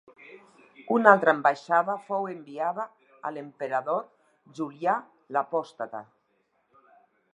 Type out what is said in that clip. Una altra ambaixada fou enviada a l'emperador Julià l'Apòstata.